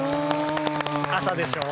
朝でしょう？